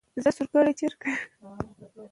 که میندې لوستې وي نو دښتې به وچې نه وي.